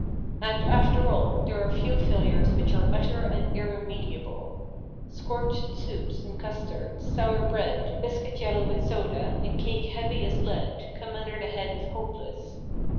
And, after all, there are few failures which are utter and irremediable. Scorched soups and custards, sour bread, biscuit yellow with soda, and cake heavy as lead, come under the head of "hopeless."